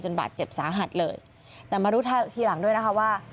บาดเจ็บสาหัสเลยแต่มารู้ทีหลังด้วยนะคะว่า